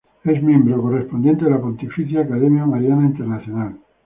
Es Miembro Correspondiente de la Pontificia Academia Mariana Internacional.